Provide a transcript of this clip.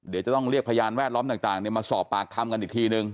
เดี๋ยวจะต้องเรียกพยานแวดล้อมต่างมาสอบปากคำกันอีกทีนึง